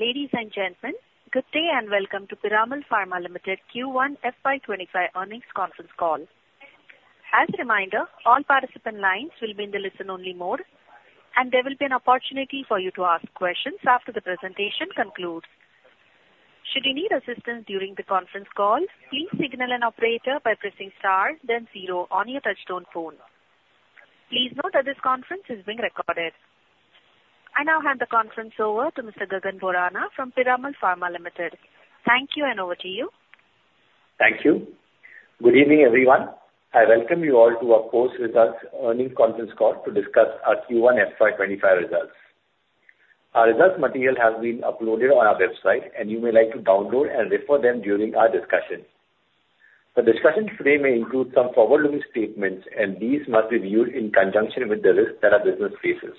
Ladies and gentlemen, good day, and welcome to Piramal Pharma Limited Q1 FY25 earnings conference call. As a reminder, all participant lines will be in the listen-only mode, and there will be an opportunity for you to ask questions after the presentation concludes. Should you need assistance during the conference call, please signal an operator by pressing star then zero on your touchtone phone. Please note that this conference is being recorded. I now hand the conference over to Mr. Gagan Borana from Piramal Pharma Limited. Thank you, and over to you. Thank you. Good evening, everyone. I welcome you all to our post-results earnings conference call to discuss our Q1 FY25 results. Our results material has been uploaded on our website, and you may like to download and refer them during our discussion. The discussion today may include some forward-looking statements, and these must be viewed in conjunction with the risks that our business faces.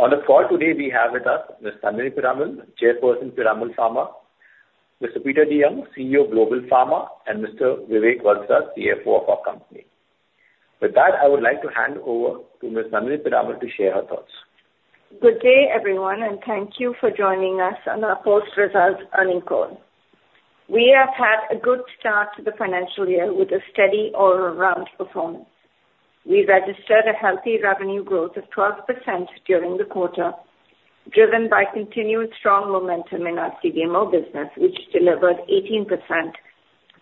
On the call today, we have with us Ms. Nandini Piramal, Chairperson, Piramal Pharma, Mr. Peter DeYoung, CEO, Global Pharma, and Mr. Vivek Valsaraj, CFO of our company. With that, I would like to hand over to Ms. Nandini Piramal to share her thoughts. Good day, everyone, and thank you for joining us on our post-results earnings call. We have had a good start to the financial year with a steady all-around performance. We registered a healthy revenue growth of 12% during the quarter, driven by continued strong momentum in our CDMO business, which delivered 18%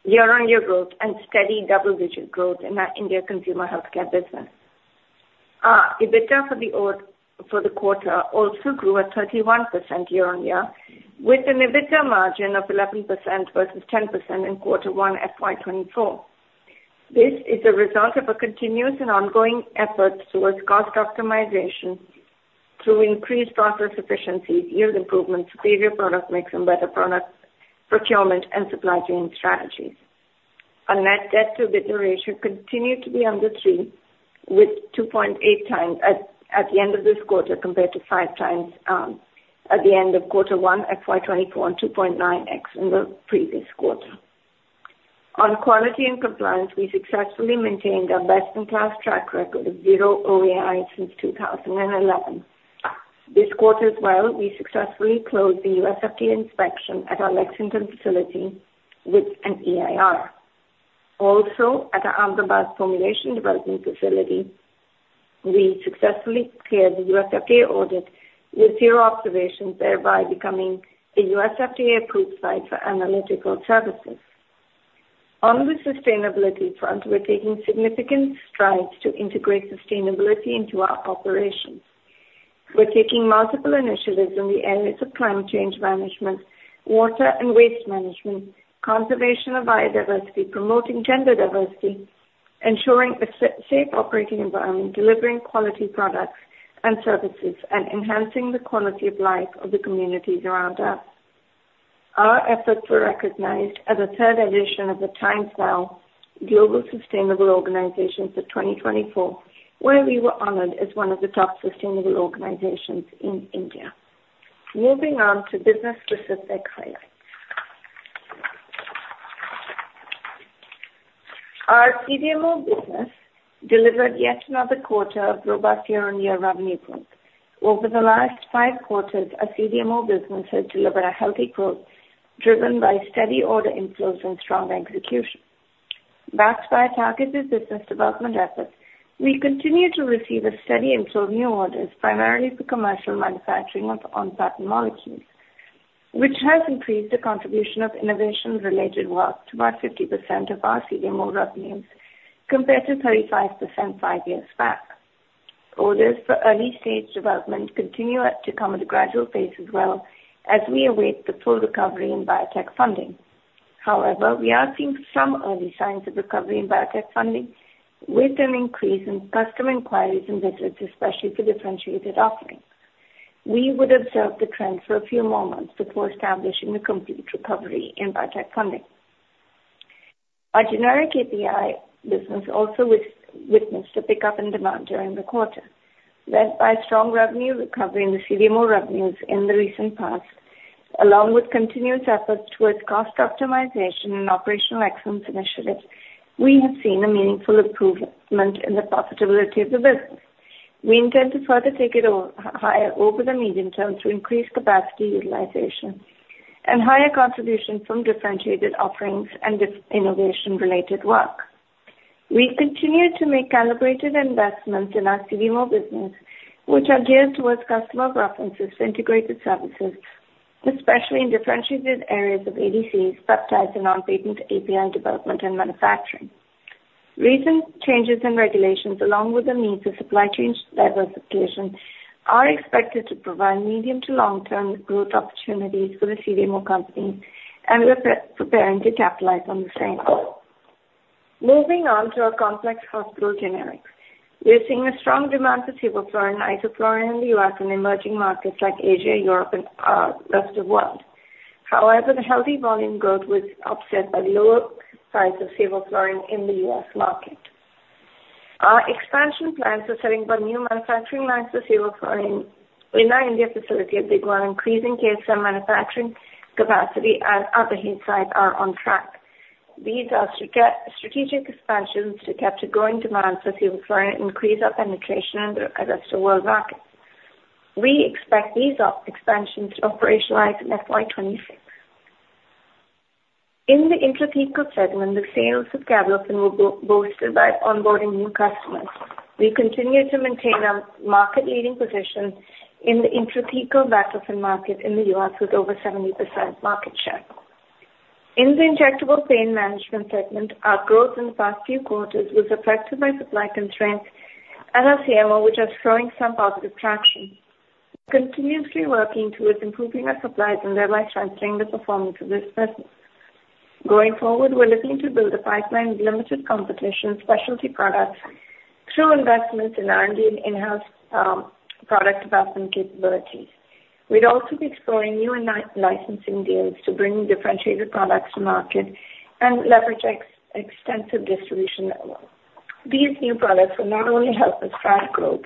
year-on-year growth and steady double-digit growth in our India consumer healthcare business. Our EBITDA for the quarter also grew at 31% year-on-year, with an EBITDA margin of 11% versus 10% in quarter 1 FY 2024. This is a result of a continuous and ongoing effort towards cost optimization through increased process efficiency, yield improvements, superior product mix, and better product procurement and supply chain strategies. Our net debt-to-EBITDA ratio continued to be under 3, with 2.8x at the end of this quarter, compared to 5x at the end of quarter one FY 2024 and 2.9x in the previous quarter. On quality and compliance, we successfully maintained our best-in-class track record of 0 OAI since 2011. This quarter as well, we successfully closed the U.S. FDA inspection at our Lexington facility with an EIR. Also, at our Ahmedabad formulation development facility, we successfully cleared the U.S. FDA audit with 0 observations, thereby becoming a U.S. FDA-approved site for analytical services. On the sustainability front, we're taking significant strides to integrate sustainability into our operations. We're taking multiple initiatives in the areas of climate change management, water and waste management, conservation of biodiversity, promoting gender diversity, ensuring a safe operating environment, delivering quality products and services, and enhancing the quality of life of the communities around us. Our efforts were recognized in the third edition of the Times Now Global Sustainable Organizations of 2024, where we were honored as one of the top sustainable organizations in India. Moving on to business-specific highlights. Our CDMO business delivered yet another quarter of robust year-on-year revenue growth. Over the last five quarters, our CDMO business has delivered a healthy growth driven by steady order inflows and strong execution. Backed by targeted business development efforts, we continue to receive a steady inflow of new orders, primarily for commercial manufacturing of on-patent molecules, which has increased the contribution of innovation-related work to about 50% of our CDMO revenues, compared to 35% five years back. Orders for early-stage development continue to come at a gradual pace as well as we await the full recovery in biotech funding. However, we are seeing some early signs of recovery in biotech funding with an increase in customer inquiries and visits, especially for differentiated offerings. We would observe the trend for a few more months before establishing a complete recovery in biotech funding. Our generic API business also witnessed a pickup in demand during the quarter. Led by strong revenue recovery in the CDMO revenues in the recent past, along with continuous efforts towards cost optimization and operational excellence initiatives, we have seen a meaningful improvement in the profitability of the business. We intend to further take it higher over the medium term to increase capacity utilization and higher contribution from differentiated offerings and with innovation-related work. We continue to make calibrated investments in our CDMO business, which are geared towards customer references to integrated services, especially in differentiated areas of ADCs, peptides, and on-patent API development and manufacturing. Recent changes in regulations, along with the need for supply chain diversification, are expected to provide medium to long-term growth opportunities for the CDMO company, and we're preparing to capitalize on the same. Moving on to our complex hospital generics. We are seeing a strong demand for ciprofloxacin and moxifloxacin in the U.S. and emerging markets like Asia, Europe, and rest of world. However, the healthy volume growth was offset by the lower price of ciprofloxacin in the U.S. market. Our expansion plans for setting up new manufacturing lines for ciprofloxacin in our India facility at Digwal, increasing KSM manufacturing capacity at other sites are on track. These are strategic expansions to capture growing demands for sevoflurane and increase our penetration in the rest of world market. We expect these expansions to operationalize in FY26. In the intrathecal segment, the sales of Gablofen were boosted by onboarding new customers. We continue to maintain our market-leading position in the intrathecal Gablofen market in the U.S., with over 70% market share. In the injectable pain management segment, our growth in the past few quarters was affected by supply constraints and our CMO, which are showing some positive traction. We're continuously working towards improving our supplies and thereby strengthening the performance of this business. Going forward, we're looking to build a pipeline with limited competition specialty products through investments in R&D and in-house product development capabilities. We'd also be exploring new licensing deals to bring differentiated products to market and leverage extensive distribution network. These new products will not only help us drive growth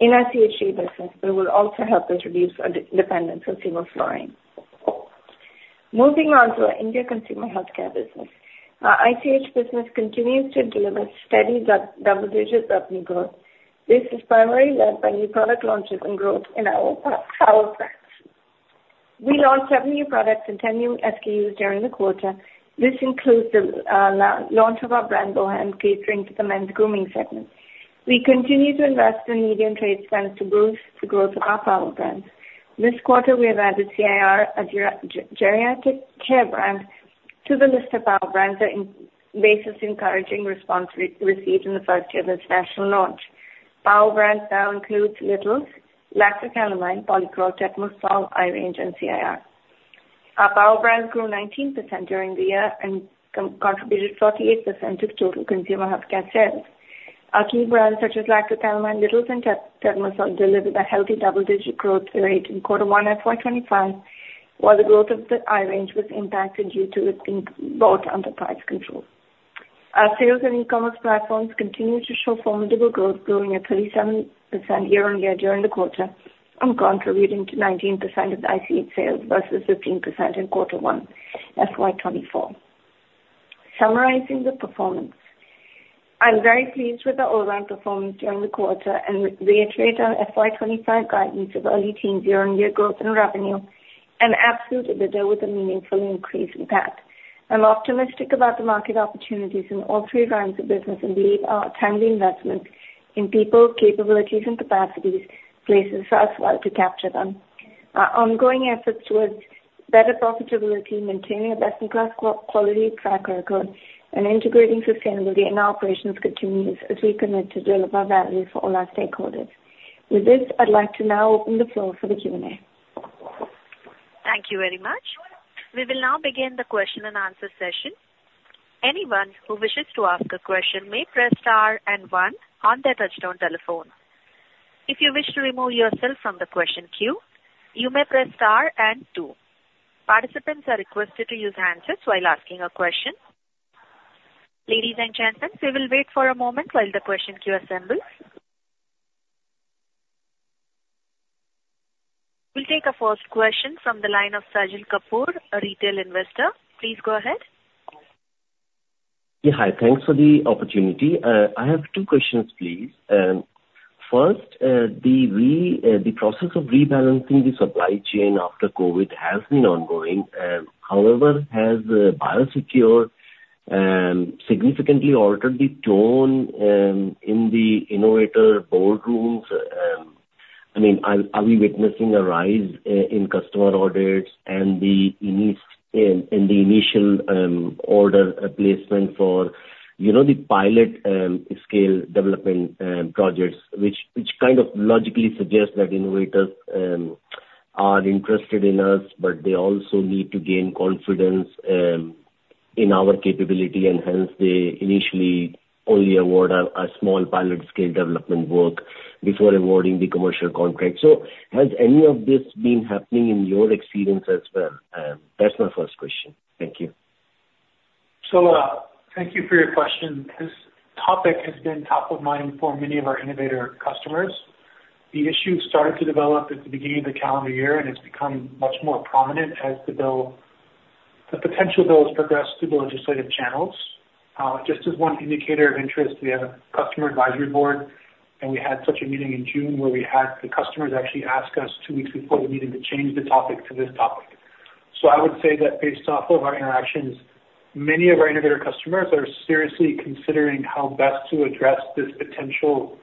in our CHG business, but will also help us reduce our dependence on sevoflurane. Moving on to our India consumer healthcare business. Our ICH business continues to deliver steady double-digit revenue growth. This is primarily led by new product launches and growth in our power brands. We launched seven new products and 10 new SKUs during the quarter. This includes the launch of our brand, Bohem, catering to the men's grooming segment. We continue to invest in media and trade spends to boost the growth of our power brands. This quarter, we added Cir, a geriatric care brand, to the list of power brands that based on encouraging response received in the first year of its national launch. Power brands now includes Little's, Lacto Calamine, Polycrol, Tetmosol, i-range, and CIR. Our power brands grew 19% during the year and contributed 48% of total consumer healthcare sales. Our key brands, such as Lacto Calamine, Little's, and Tetmosol, delivered a healthy double-digit growth rate in quarter 1 at FY25, while the growth of the i-range was impacted due to it being both under price control. Our sales and e-commerce platforms continue to show formidable growth, growing at 37% year-on-year during the quarter and contributing to 19% of the ICH sales versus 15% in quarter one, FY 2024. Summarizing the performance, I'm very pleased with the overall performance during the quarter and reiterate our FY 2025 guidance of early teens year-on-year growth in revenue and absolute EBITDA with a meaningful increase in that. I'm optimistic about the market opportunities in all three lines of business, and believe our timely investment in people, capabilities, and capacities places us well to capture them. Our ongoing efforts towards better profitability, maintaining a best-in-class quality track record, and integrating sustainability in our operations continues as we commit to deliver value for all our stakeholders. With this, I'd like to now open the floor for the Q&A. Thank you very much. We will now begin the question-and-answer session. Anyone who wishes to ask a question may press star and one on their touchtone telephone. If you wish to remove yourself from the question queue, you may press star and two. Participants are requested to use handsets while asking a question. Ladies and gentlemen, we will wait for a moment while the question queue assembles. We'll take our first question from the line of Sajal Kapoor, a retail investor. Please go ahead. Yeah, hi. Thanks for the opportunity. I have two questions, please. First, the process of rebalancing the supply chain after COVID has been ongoing. However, has Biosecure significantly altered the tone in the innovator boardrooms? I mean, are we witnessing a rise in customer orders and the initial order placement for, you know, the pilot scale development projects, which kind of logically suggests that innovators are interested in us, but they also need to gain confidence in our capability, and hence they initially only award a small pilot scale development work before awarding the commercial contract. So has any of this been happening in your experience as well? That's my first question. Thank you. So, thank you for your question. This topic has been top of mind for many of our innovator customers. The issue started to develop at the beginning of the calendar year, and it's become much more prominent as the bill, the potential bill, has progressed through the legislative channels. Just as one indicator of interest, we have a customer advisory board, and we had such a meeting in June, where we had the customers actually ask us two weeks before we needed to change the topic to this topic. So I would say that based off of our interactions, many of our innovator customers are seriously considering how best to address this potential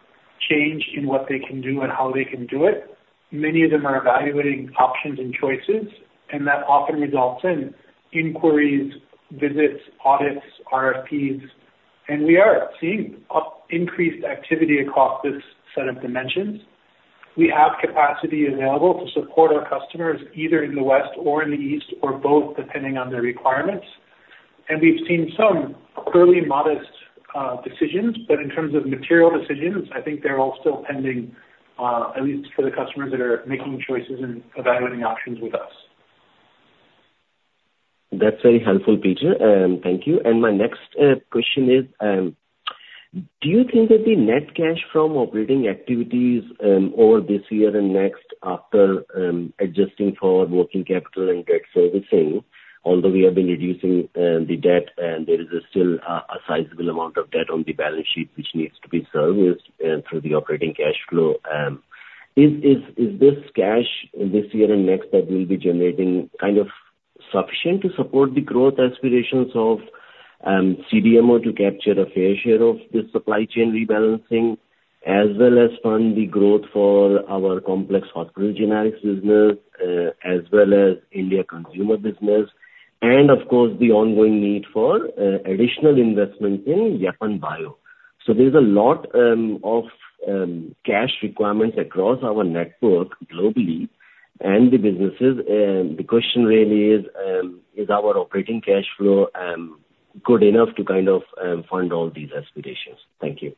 change in what they can do and how they can do it. Many of them are evaluating options and choices, and that often results in inquiries, visits, audits, RFPs, and we are seeing increased activity across this set of dimensions. We have capacity available to support our customers, either in the West or in the East, or both, depending on their requirements. And we've seen some early modest decisions. But in terms of material decisions, I think they're all still pending, at least for the customers that are making choices and evaluating options with us. That's very helpful, Peter, thank you. And my next question is, do you think that the net cash from operating activities over this year and next, after adjusting for working capital and debt servicing, although we have been reducing the debt and there is still a sizable amount of debt on the balance sheet, which needs to be serviced through the operating cash flow, is this cash this year and next that we'll be generating kind of sufficient to support the growth aspirations of CDMO to capture a fair share of this supply chain rebalancing, as well as fund the growth for our complex hospital generics business, as well as India consumer business, and of course, the ongoing need for additional investment in Yapan Bio? There's a lot of cash requirements across our network globally and the businesses. The question really is, is our operating cash flow good enough to kind of fund all these aspirations? Thank you.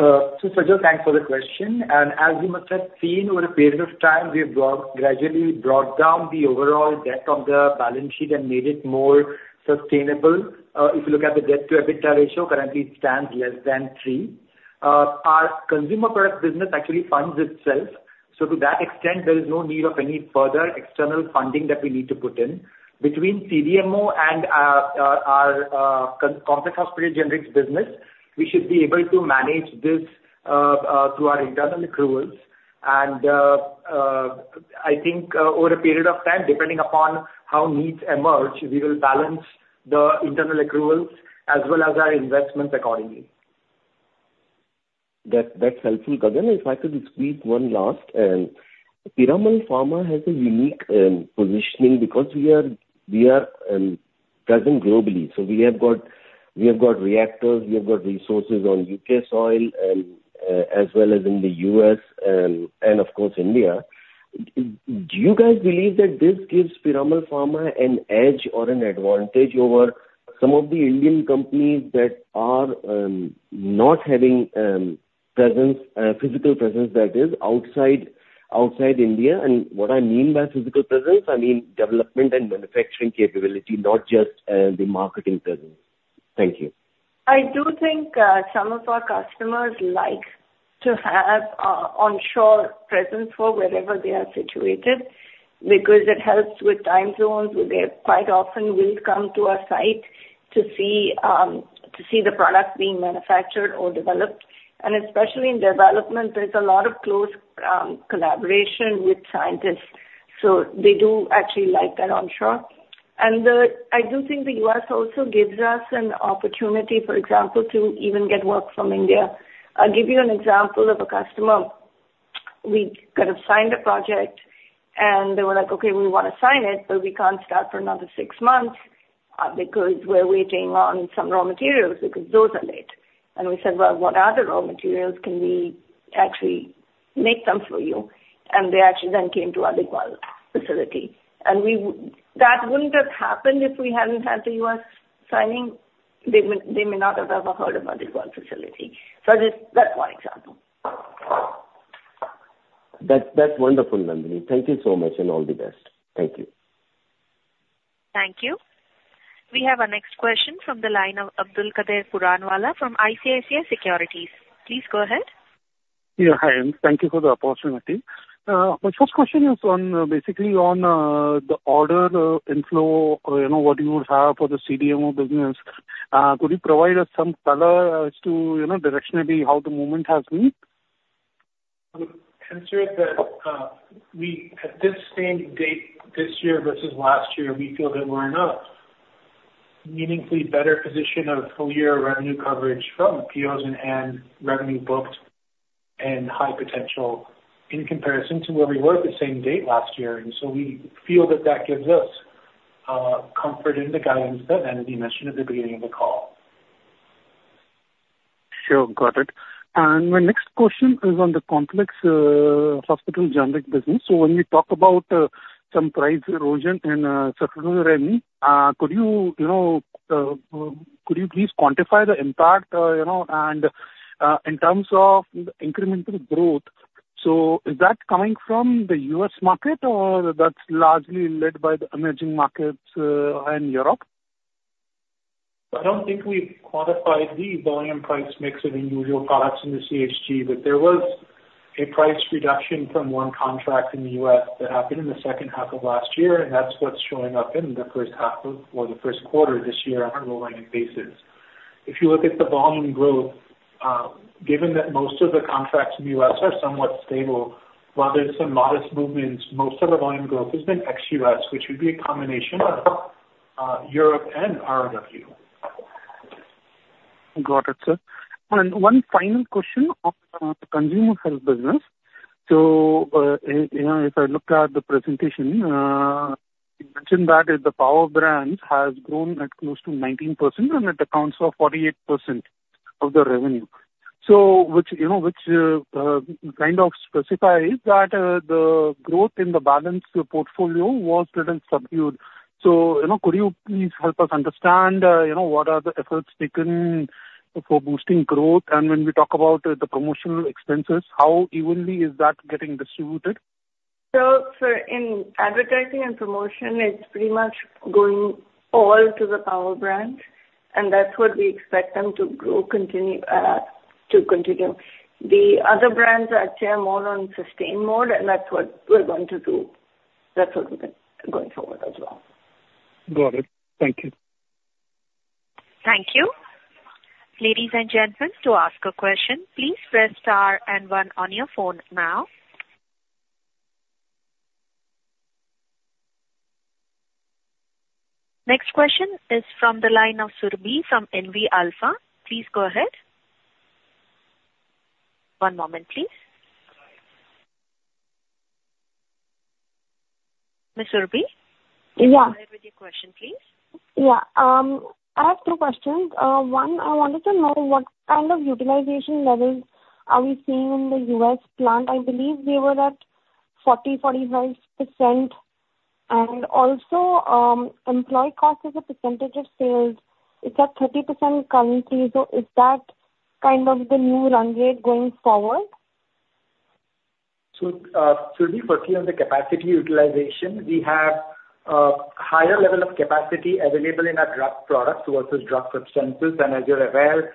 So Sajal, thanks for the question. As you must have seen over a period of time, we have gradually brought down the overall debt on the balance sheet and made it more sustainable. If you look at the debt-to-EBITDA ratio, currently it stands less than three. Our consumer product business actually funds itself, so to that extent, there is no need of any further external funding that we need to put in. Between CDMO and our complex hospital generics business, we should be able to manage this through our internal accruals. I think, over a period of time, depending upon how needs emerge, we will balance the internal accruals as well as our investments accordingly. That, that's helpful, Gagan. If I could squeeze one last, Piramal Pharma has a unique positioning, because we are present globally, so we have got reactors, we have got resources on UK soil, as well as in the US and, of course, India. Do you guys believe that this gives Piramal Pharma an edge or an advantage over some of the Indian companies that are not having presence, physical presence that is, outside India? And what I mean by physical presence, I mean development and manufacturing capability, not just the marketing presence. Thank you. I do think, some of our customers like to have, onshore presence for wherever they are situated, because it helps with time zones, where they quite often will come to our site to see, to see the product being manufactured or developed. And especially in development, there's a lot of close, collaboration with scientists, so they do actually like that onshore. And, I do think the US also gives us an opportunity, for example, to even get work from India. I'll give you an example of a customer. We kind of signed a project, and they were like, "Okay, we want to sign it, but we can't start for another six months, because we're waiting on some raw materials, because those are late." And we said, "Well, what are the raw materials? Can we actually make them for you?" They actually then came to our facility. That wouldn't have happened if we hadn't had the U.S. signing. They may. They may not have ever heard about this one facility. Just that one example. That's wonderful, Nandini. Thank you so much, and all the best. Thank you. Thank you. We have our next question from the line of Abdulkader Puranwala from ICICI Securities. Please go ahead. Yeah, hi, and thank you for the opportunity. My first question is on, basically on, the order inflow, you know, what you would have for the CDMO business. Could you provide us some color as to, you know, directionally, how the movement has been? Consider that we at this same date this year versus last year, we feel that we're in a meaningfully better position of full year revenue coverage from POs and revenue booked and high potential, in comparison to where we were at the same date last year. And so we feel that that gives us comfort in the guidance that Nandini mentioned at the beginning of the call. Sure. Got it. And my next question is on the complex hospital generic business. So when we talk about some price erosion, could you please quantify the impact, you know, and in terms of the incremental growth, so is that coming from the U.S. market, or that's largely led by the emerging markets and Europe? I don't think we've quantified the volume price mix of individual products in the CHG, but there was a price reduction from one contract in the U.S. that happened in the second half of last year, and that's what's showing up in the first half of, or the first quarter this year on a rolling basis. If you look at the volume growth, given that most of the contracts in the U.S. are somewhat stable, while there's some modest movements, most of the volume growth has been ex-U.S., which would be a combination of, Europe and ROW. Got it, sir. And one final question on the consumer health business. So, you know, if I looked at the presentation, you mentioned that the power brands has grown at close to 19%, and it accounts for 48% of the revenue. So which, you know, which kind of specifies that the growth in the balance portfolio was little subdued. So, you know, could you please help us understand what are the efforts taken for boosting growth? And when we talk about the promotional expenses, how evenly is that getting distributed?... So for in advertising and promotion, it's pretty much going all to the power brand, and that's what we expect them to grow, continue, to continue. The other brands are actually more on sustain mode, and that's what we're going to do. That's what we're doing going forward as well. Got it. Thank you. Thank you. Ladies and gentlemen, to ask a question, please press star and one on your phone now. Next question is from the line of Surbhi from Nuvama Wealth. Please go ahead. One moment, please. Ms. Surbhi? Yeah. Go ahead with your question, please. Yeah. I have two questions. One, I wanted to know what kind of utilization levels are we seeing in the US plant. I believe we were at 40%-45%. And also, employee cost as a percentage of sales is at 30% currently, so is that kind of the new run rate going forward? So, Surbhi, first on the capacity utilization, we have higher level of capacity available in our drug products towards those drug substances. And as you're aware,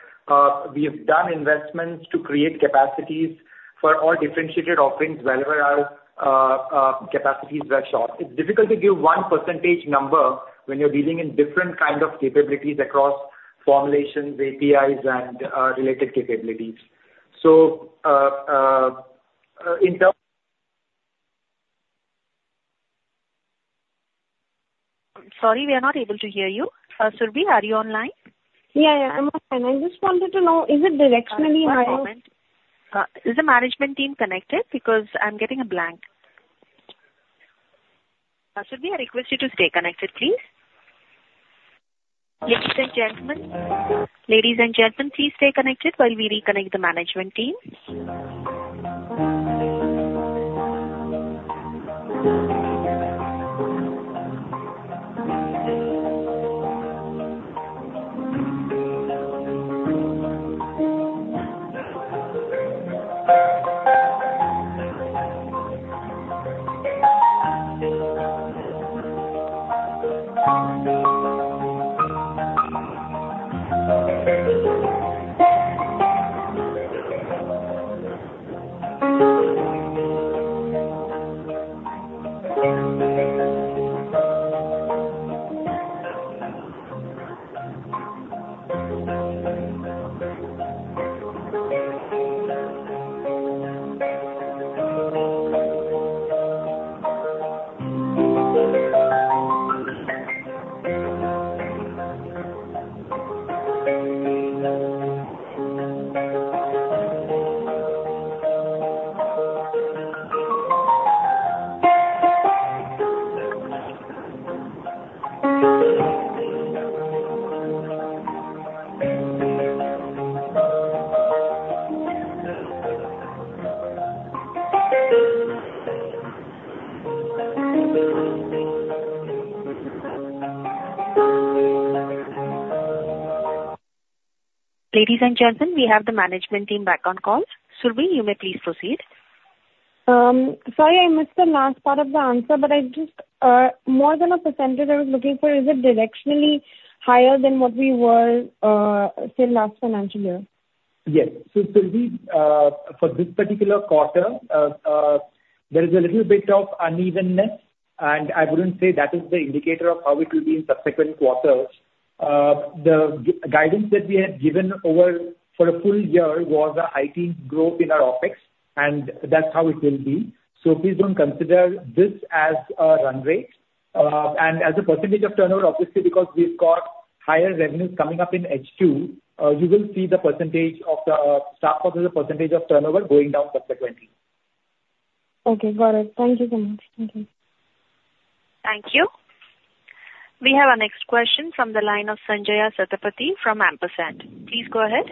we have done investments to create capacities for all differentiated offerings wherever our capacities were short. It's difficult to give one percentage number when you're dealing in different kind of capabilities across formulations, APIs, and related capabilities. So, in term- Sorry, we are not able to hear you. Surbhi, are you online? Yeah, yeah, I'm online. I just wanted to know, is it directionally higher? One moment. Is the management team connected? Because I'm getting a blank. Surbhi, I request you to stay connected, please. Ladies and gentlemen, ladies and gentlemen, please stay connected while we reconnect the management team. Ladies and gentlemen, we have the management team back on call. Surbhi, you may please proceed. Sorry, I missed the last part of the answer, but I just more than a percentage I was looking for, is it directionally higher than what we were, say, last financial year? Yes. So Surbhi, for this particular quarter, there is a little bit of unevenness, and I wouldn't say that is the indicator of how it will be in subsequent quarters. The guidance that we had given over for a full year was a high-teen growth in our OpEx, and that's how it will be. So please don't consider this as a run rate. And as a percentage of turnover, obviously, because we've got higher revenues coming up in H2, you will see the percentage of the staff as a percentage of turnover going down subsequently. Okay, got it. Thank you so much. Thank you. Thank you. We have our next question from the line of Sanjaya Satapathy from Ampersand. Please go ahead.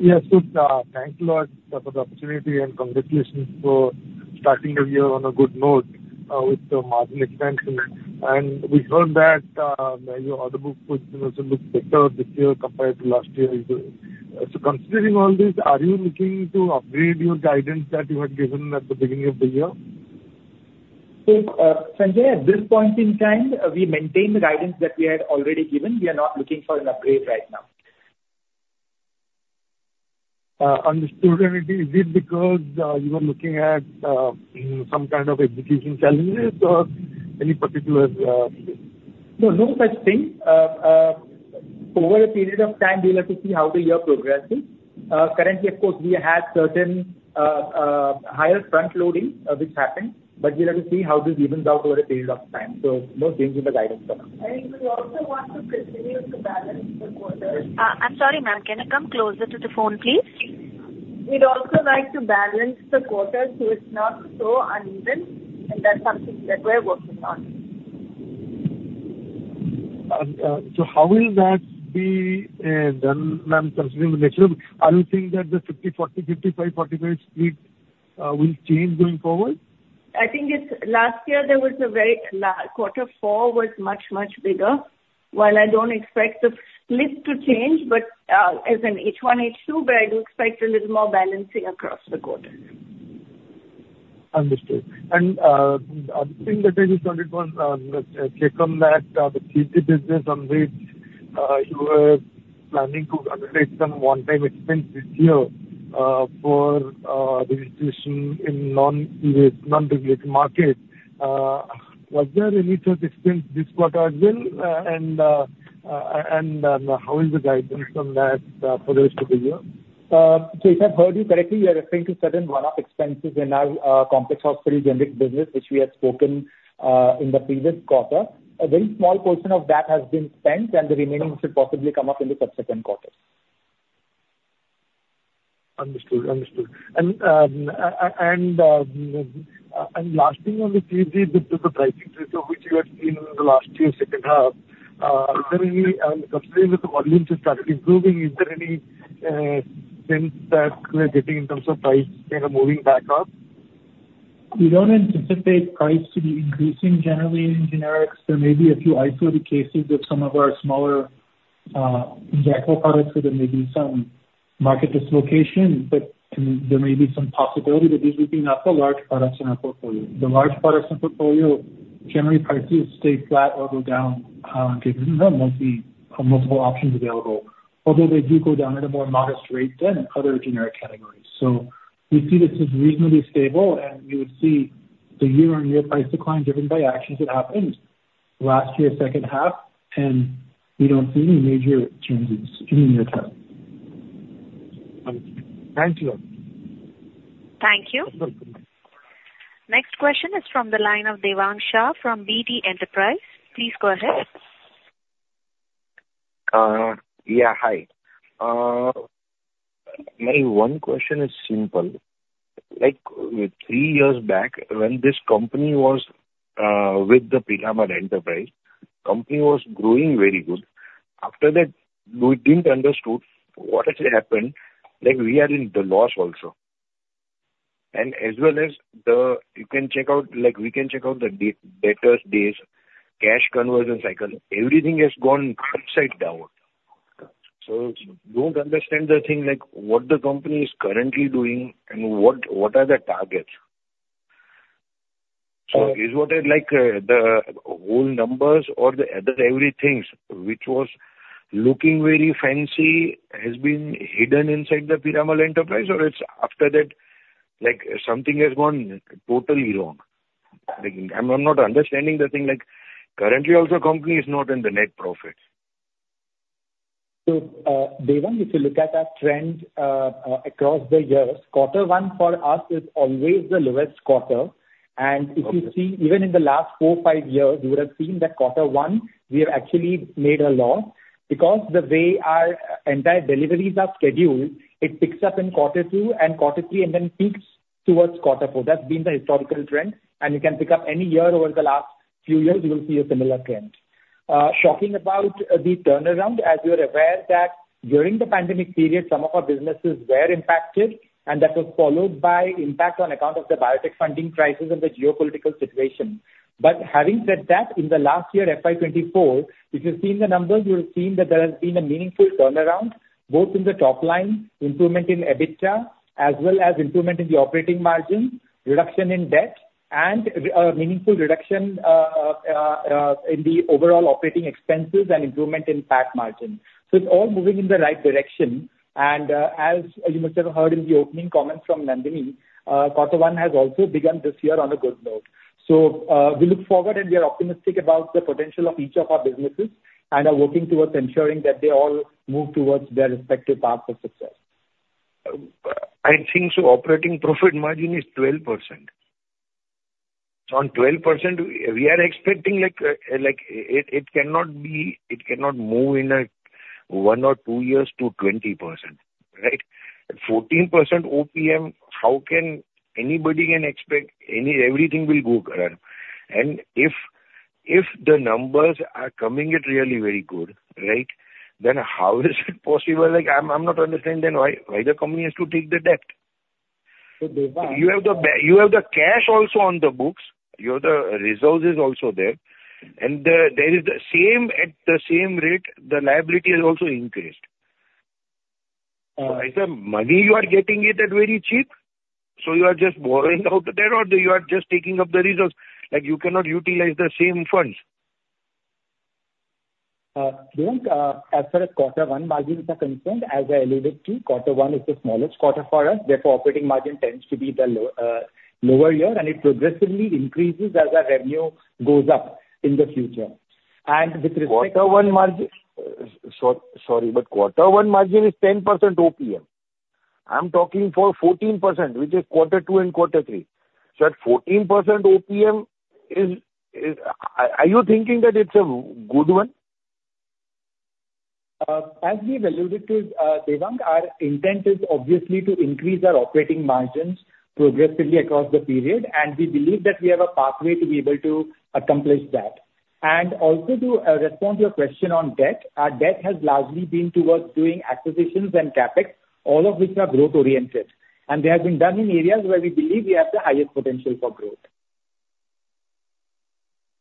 Yes, good. Thank you a lot for the opportunity, and congratulations for starting the year on a good note, with the margin expansion. We heard that your order book position also looks better this year compared to last year. So considering all this, are you looking to upgrade your guidance that you had given at the beginning of the year? So, Sanjaya, at this point in time, we maintain the guidance that we had already given. We are not looking for an upgrade right now. Understood. And is it because you are looking at some kind of execution challenges or any particular? No, no such thing. Over a period of time, we'll have to see how the year progresses. Currently, of course, we had certain, higher front loading, which happened, but we'll have to see how this evens out over a period of time. So no change in the guidance for now. We also want to continue to balance the quarter. I'm sorry, ma'am, can you come closer to the phone, please? We'd also like to balance the quarter, so it's not so uneven, and that's something that we're working on. So how will that be done, ma'am, considering the nature? Are you saying that the 50/40, 55/45 split will change going forward? I think it's... Last year there was a very last quarter four was much, much bigger.... While I don't expect the split to change, but as in H1, H2, but I do expect a little more balancing across the quarter. Understood. And, other thing that I just wanted to check on that, the CHG business on which you were planning to allocate some one-time expense this year, for the incursion in non-U.S., non-regulated markets. Was there any such expense this quarter as well? And, how is the guidance from that for the rest of the year? If I've heard you correctly, you're referring to certain one-off expenses in our complex hospital generic business, which we had spoken in the previous quarter. A very small portion of that has been spent, and the remainder should possibly come up in the subsequent quarters. Understood. Understood. And last thing on the CHG, the pricing issue, which you had seen in the last year's second half, generally, considering that the volumes have started improving, is there any sense that we're getting in terms of price kind of moving back up? We don't anticipate price to be increasing generally in generics. There may be a few isolated cases with some of our smaller, injectable products, where there may be some market dislocation, but there may be some possibility that these would be not so large products in our portfolio. The large products in our portfolio, generally prices stay flat or go down, because there are multiple options available, although they do go down at a more modest rate than other generic categories. So we see this as reasonably stable, and you would see the year-on-year price decline driven by actions that happened last year, second half, and we don't see any major changes any time. Understood. Thank you. Thank you. Next question is from the line of Devang Shah from BD Enterprise. Please go ahead. Yeah, hi. My one question is simple. Like, three years back, when this company was with the Piramal Enterprises, company was growing very good. After that, we didn't understood what actually happened, like, we are in the loss also. And as well as the... You can check out, like, we can check out the debtors days, cash conversion cycle, everything has gone upside down. So don't understand the thing, like, what the company is currently doing and what, what are the targets? So is what it, like, the whole numbers or the other, everythings which was looking very fancy, has been hidden inside the Piramal Enterprises? Or it's after that, like, something has gone totally wrong. Like, I'm not understanding the thing, like, currently also company is not in the net profits. So, Devang, if you look at our trend across the years, quarter one for us is always the lowest quarter. Okay. If you see, even in the last four, five years, you would have seen that quarter one, we have actually made a loss. Because the way our entire deliveries are scheduled, it picks up in quarter two and quarter three, and then peaks towards quarter four. That's been the historical trend, and you can pick up any year over the last few years, you will see a similar trend. Talking about the turnaround, as you are aware, that during the pandemic period, some of our businesses were impacted, and that was followed by impact on account of the biotech funding crisis and the geopolitical situation. But having said that, in the last year, FY 2024, if you've seen the numbers, you would have seen that there has been a meaningful turnaround, both in the top line, improvement in EBITDA, as well as improvement in the operating margin, reduction in debt, and, meaningful reduction, in the overall operating expenses and improvement in PAT margin. So it's all moving in the right direction, and, as you must have heard in the opening comments from Nandini, quarter one has also begun this year on a good note. So, we look forward, and we are optimistic about the potential of each of our businesses, and are working towards ensuring that they all move towards their respective paths of success. I think so, operating profit margin is 12%. So on 12%, we are expecting, like, like, it cannot move in one or two years to 20%, right? 14% OPM, how can anybody can expect any, everything will go wrong? And if the numbers are coming at really very good, right, then how is it possible? Like, I'm not understanding, then why the company has to take the debt? So, Devang- You have the cash also on the books, you have the resources also there, and there is the same, at the same rate, the liability has also increased. Is the money you are getting it at very cheap, so you are just borrowing out there? Or you are just taking up the results, like you cannot utilize the same funds? Devang, as far as quarter one margins are concerned, as I alluded to, quarter one is the smallest quarter for us. Therefore, operating margin tends to be lower here, and it progressively increases as our revenue goes up in the future. And with respect- Quarter one margin... Sorry, but quarter one margin is 10% OPM. I'm talking for 14%, which is quarter two and quarter three. So at 14% OPM, are you thinking that it's a good one? As we've alluded to, Devang, our intent is obviously to increase our operating margins progressively across the period, and we believe that we have a pathway to be able to accomplish that. Also to respond to your question on debt, our debt has largely been towards doing acquisitions and CapEx, all of which are growth-oriented, and they have been done in areas where we believe we have the highest potential for growth....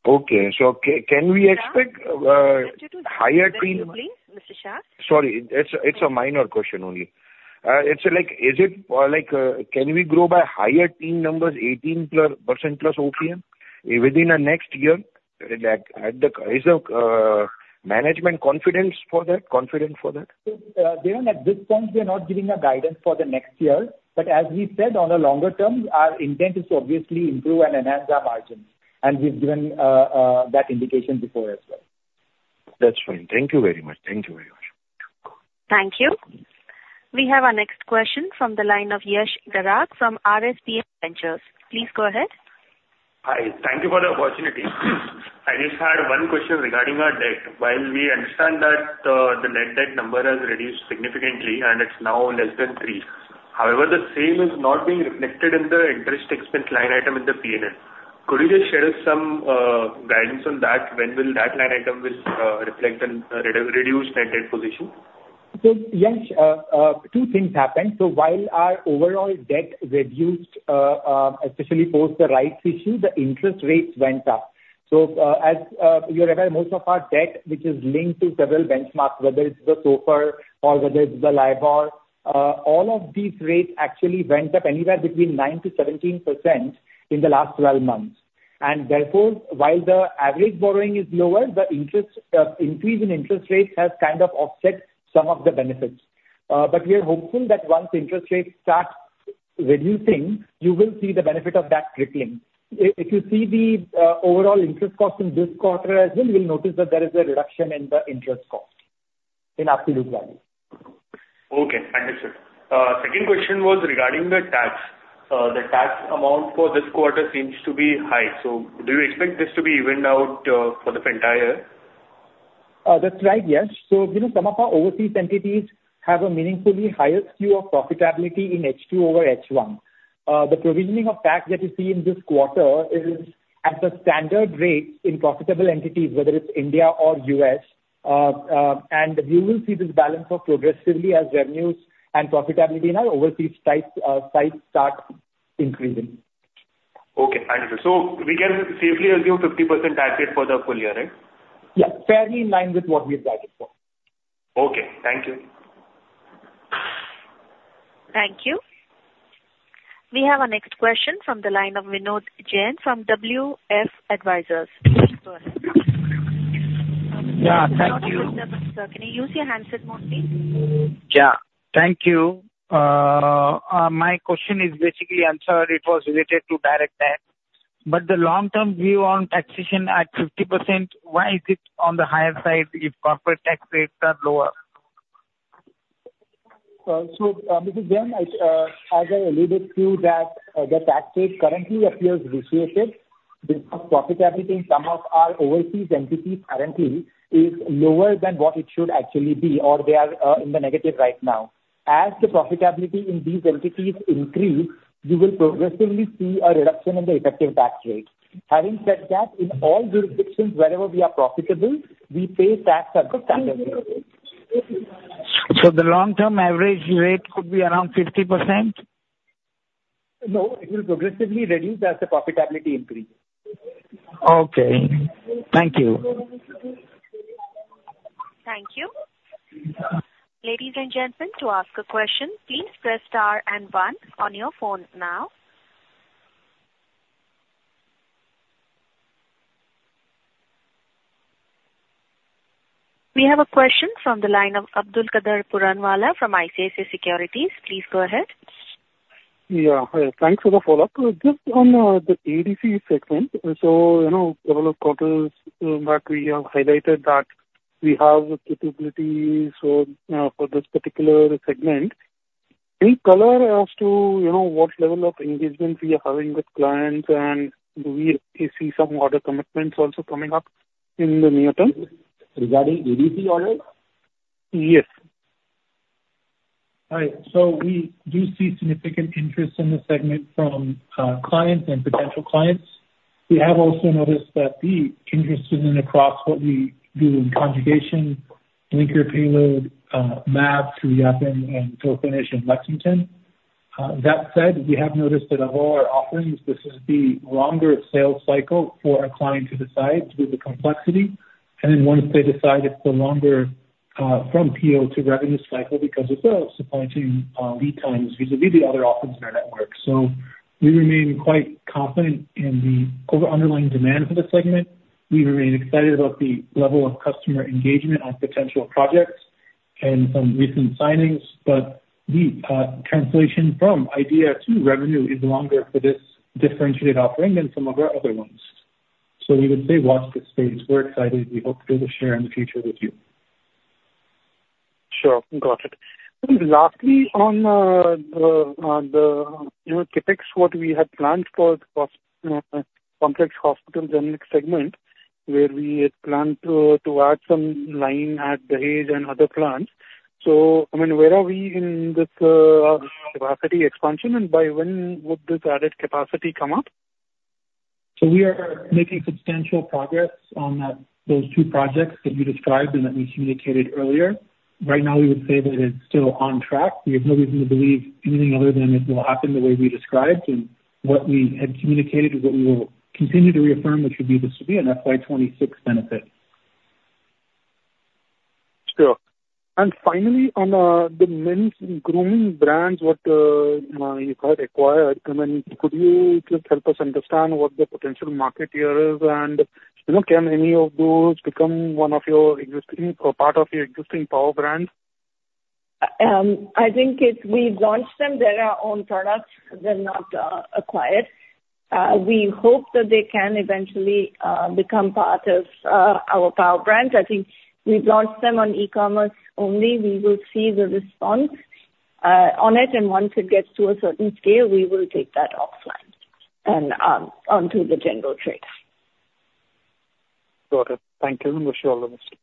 Okay, so can we expect higher team- Mr. Shah? Sorry, it's, it's a minor question only. It's like, can we grow by higher team numbers, 18%+ OPM within the next year? Is the management confident for that? So, Viren, at this point, we are not giving a guidance for the next year. But as we said, on a longer term, our intent is to obviously improve and enhance our margins, and we've given that indication before as well. That's fine. Thank you very much. Thank you very much. Thank you. We have our next question from the line of Yash Dharak from RSP Ventures. Please go ahead. Hi. Thank you for the opportunity. I just had one question regarding our debt. While we understand that the net debt number has reduced significantly, and it's now less than three, however, the same is not being reflected in the interest expense line item in the PNL. Could you just share us some guidance on that? When will that line item reflect and reduce net debt position? So Yash, two things happened. So while our overall debt reduced, especially post the rights issue, the interest rates went up. So, as you're aware, most of our debt, which is linked to several benchmarks, whether it's the SOFR or whether it's the LIBOR, all of these rates actually went up anywhere between 9%-17% in the last 12 months. And therefore, while the average borrowing is lower, the interest, increase in interest rates has kind of offset some of the benefits. But we are hopeful that once interest rates start reducing, you will see the benefit of that trickling. If you see the, overall interest cost in this quarter as well, you'll notice that there is a reduction in the interest cost in absolute value. Okay, understood. Second question was regarding the tax. The tax amount for this quarter seems to be high, so do you expect this to be evened out for the entire year? That's right, Yash. So, you know, some of our overseas entities have a meaningfully higher skew of profitability in H2 over H1. The provisioning of tax that you see in this quarter is at the standard rate in profitable entities, whether it's India or US. And you will see this balance off progressively as revenues and profitability in our overseas sites start increasing. Okay, understood. So we can safely assume 50% tax rate for the full year, right? Yeah, fairly in line with what we've guided for. Okay, thank you. Thank you. We have our next question from the line of Vinod Jain from WF Advisors. Please go ahead. Yeah, thank you.... Sir, can you use your handset mode, please? Yeah. Thank you. My question is basically answered. It was related to direct tax. But the long-term view on taxation at 50%, why is it on the higher side if corporate tax rates are lower? So, Mr. Jain, I, as I alluded to, that, the tax rate currently appears vitiated because profitability in some of our overseas entities currently is lower than what it should actually be, or they are, in the negative right now. As the profitability in these entities increase, you will progressively see a reduction in the effective tax rate. Having said that, in all jurisdictions, wherever we are profitable, we pay tax at the standard rate. The long-term average rate could be around 50%? No, it will progressively reduce as the profitability increase. Okay. Thank you. Thank you. Ladies and gentlemen, to ask a question, please press star and one on your phone now. We have a question from the line of Abdulkader Puranwala from ICICI Securities. Please go ahead. Yeah. Hi, thanks for the follow-up. Just on the ADC segment. So, you know, several quarters back, we have highlighted that we have suitability, so for this particular segment. Any color as to, you know, what level of engagement we are having with clients, and do we see some order commitments also coming up in the near term? Regarding ADC orders? Yes. Hi. So we do see significant interest in this segment from clients and potential clients. We have also noticed that the interest in across what we do in conjugation, linker payload, MAbs, TFF, and fill finish in Lexington. That said, we have noticed that of all our offerings, this is the longer sales cycle for our client to decide due to the complexity. And then once they decide, it's the longer from PO to revenue cycle because of the supply chain lead times vis-à-vis the other offerings in our network. So we remain quite confident in the overall underlying demand for this segment. We remain excited about the level of customer engagement on potential projects and some recent signings, but the translation from idea to revenue is longer for this differentiated offering than some of our other ones. We would say, watch this space. We're excited. We hope to share in the future with you. Sure. Got it. And lastly, on the, you know, CapEx, what we had planned for complex hospital generics segment, where we had planned to add some line at The Hague and other plants. So, I mean, where are we in this capacity expansion, and by when would this added capacity come up? So we are making substantial progress on that, those two projects that you described and that we communicated earlier. Right now, we would say that it's still on track. We have no reason to believe anything other than it will happen the way we described, and what we had communicated and what we will continue to reaffirm, which would be this will be an FY26 benefit.... Sure. And finally, on the men's grooming brands what you have acquired, I mean, could you just help us understand what the potential market here is? And, you know, can any of those become one of your existing or part of your existing power brands? I think we've launched them. They are our own products, they're not acquired. We hope that they can eventually become part of our power brand. I think we've launched them on e-commerce only. We will see the response on it, and once it gets to a certain scale, we will take that offline and onto the general trade. Got it. Thank you, and wish you all the best.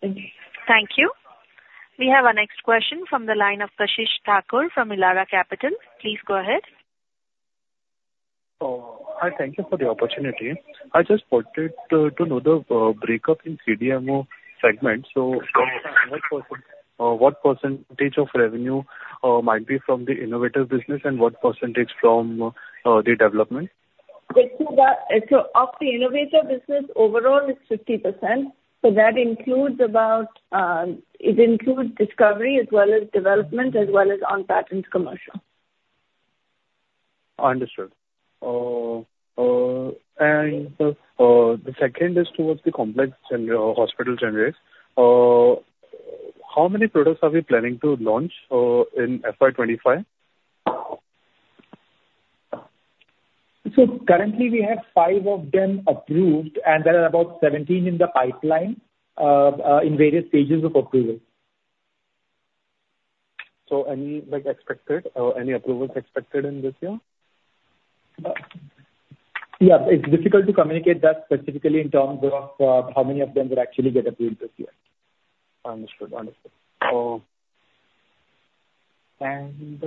Thank you. Thank you. We have our next question from the line of Kashish Thakur from Elara Capital. Please go ahead. Hi, thank you for the opportunity. I just wanted to know the breakup in the CDMO segment. So, what percentage of revenue might be from the innovator business and what percentage from the development? The two are... So of the innovator business, overall it's 50%, so that includes about, it includes discovery as well as development, as well as on-patent commercial. Understood. And the second is towards the complex hospital generics. How many products are we planning to launch in FY 25? So currently we have 5 of them approved, and there are about 17 in the pipeline, in various stages of approval. Any, like, expected or any approvals expected in this year? Yeah. It's difficult to communicate that specifically in terms of how many of them would actually get approved this year. Understood. Understood. And,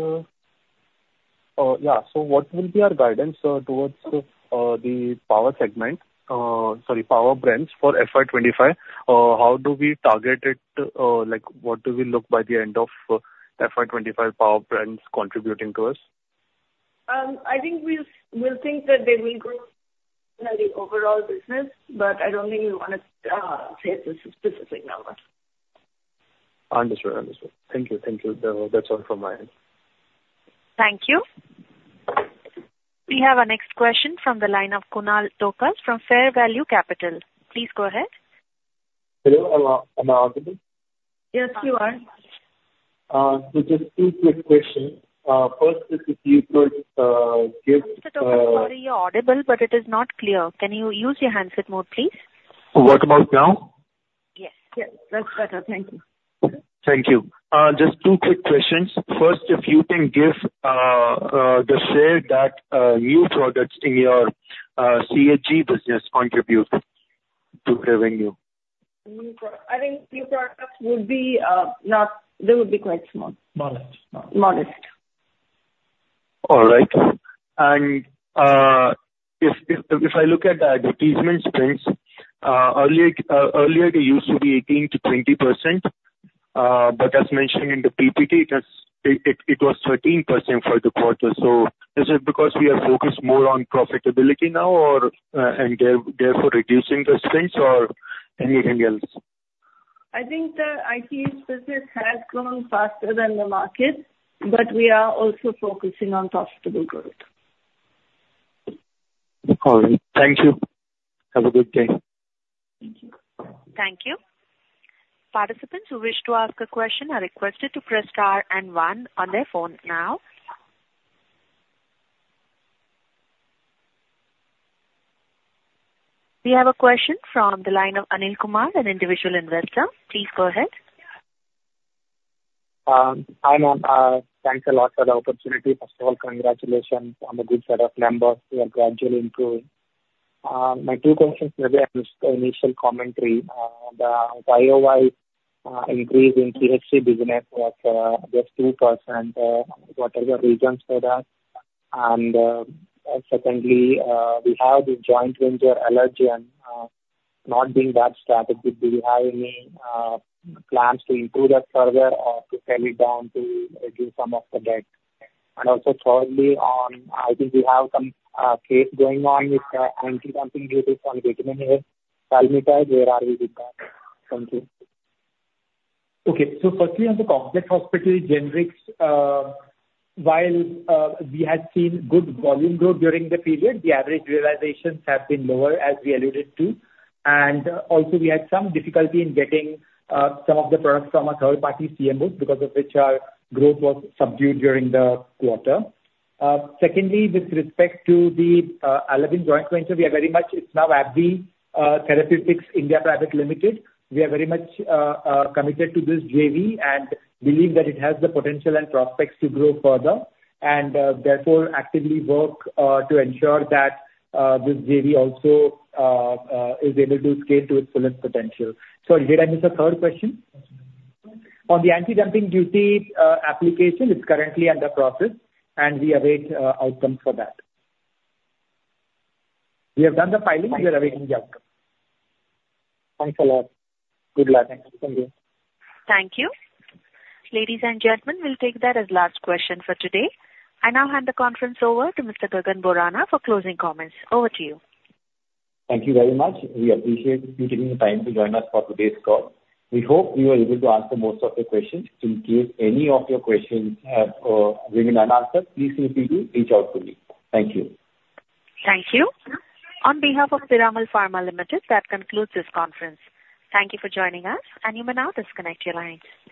yeah, so what will be our guidance towards the power segment, sorry, power brands for FY25? How do we target it? Like, what do we look by the end of FY25 power brands contributing to us? I think we'll think that they will grow the overall business, but I don't think we wanna say a specific number. Understood. Understood. Thank you. Thank you. That's all from my end. Thank you. We have our next question from the line of Kunal Tokas from Fair Value Capital. Please go ahead. Hello, am I, am I audible? Yes, you are. So just two quick questions. First, if you could, give... Mr. Tokas, sorry, you're audible, but it is not clear. Can you use your handset mode, please? What about now? Yes. Yes, that's better. Thank you. Thank you. Just two quick questions. First, if you can give the share that new products in your CHG business contribute to revenue? I think new products would be not... They would be quite small. Modest. Modest. All right. If I look at the advertisement spends, earlier they used to be 18%-20%, but as mentioned in the PPT, that it was 13% for the quarter. So is it because we are focused more on profitability now or and therefore reducing the spends or anything else? I think the IT business has grown faster than the market, but we are also focusing on profitable growth. All right. Thank you. Have a good day. Thank you. Thank you. Participants who wish to ask a question are requested to press Star and One on their phone now. We have a question from the line of Anil Kumar, an individual investor. Please go ahead. Hi, ma'am. Thanks a lot for the opportunity. First of all, congratulations on the good set of numbers. You are gradually improving. My two questions, maybe I missed the initial commentary. The YOY increase in CHG business was just 2%. What are the reasons for that? And secondly, we have the joint venture Allergan not being that strategic. Do you have any plans to improve that further or to sell it down to reduce some of the debt? And also, thirdly, I think you have some case going on with anti-dumping duties on Vitamin A. Where are we with that? Thank you. Okay. So firstly, on the complex hospital generics, while we had seen good volume growth during the period, the average realizations have been lower, as we alluded to. And also, we had some difficulty in getting some of the products from a third-party CMO because of which our growth was subdued during the quarter. Secondly, with respect to the Allergan joint venture, we are very much, it's now AbbVie Therapeutics India Private Limited. We are very much committed to this JV and believe that it has the potential and prospects to grow further, and therefore, actively work to ensure that this JV also is able to scale to its fullest potential. Sorry, did I miss the third question?... On the anti-dumping duty application, it's currently under process, and we await outcome for that. We have done the filings. We are awaiting the outcome. Thanks a lot. Good luck. Thank you. Thank you. Ladies and gentlemen, we'll take that as last question for today. I now hand the conference over to Mr. Gagan Borana for closing comments. Over to you. Thank you very much. We appreciate you taking the time to join us for today's call. We hope we were able to answer most of your questions. In case any of your questions have remain unanswered, please feel free to reach out to me. Thank you. Thank you. On behalf of Piramal Pharma Limited, that concludes this conference. Thank you for joining us, and you may now disconnect your lines.